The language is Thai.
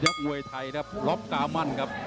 แบบมวยไทยร็อเปกามันครับ